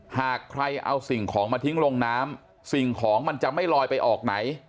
หากใครเอาสิ่งของมาทิ้งลงน้ำสิ่งของมันจะไม่ลอยไปออกไหน